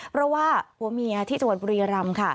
เพราะว่าผัวเมียที่จังหวัดบุรีรำค่ะ